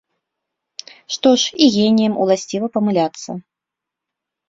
Што ж, і геніям уласціва памыляцца!